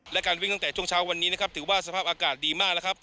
และการวิ่งตั้งแต่ช่วงเช้าถือว่าสภาพอากาศดีมาก